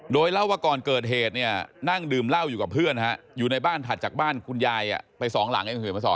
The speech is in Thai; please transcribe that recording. โดยเล่าว่าก่อนเกิดเหตุนั่งดื่มเล่าอยู่กับเพื่อนอยู่ในบ้านถัดจากบ้านคุณยายไปสองหลัง